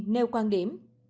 nêu quan điểm